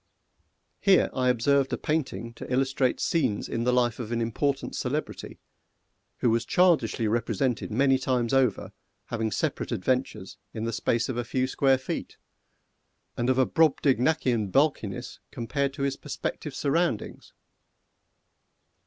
Here I observed a painting to illustrate scenes in the life of an important celebrity, who was childishly represented many times over having separate adventures in the space of a few square feet, and of a Brobdingnacian bulkiness compared to his perspective surroundings.